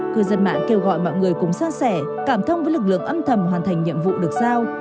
cư dân mạng kêu gọi mọi người cùng san sẻ cảm thông với lực lượng âm thầm hoàn thành nhiệm vụ được sao